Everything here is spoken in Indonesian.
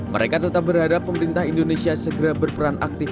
mereka tetap berharap pemerintah indonesia segera berperan aktif